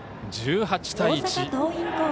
１８対１。